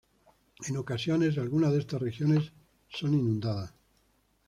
En ocasiones, algunas de estas regiones son inundadas.